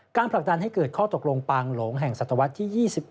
ผลักดันให้เกิดข้อตกลงปางหลงแห่งศตวรรษที่๒๑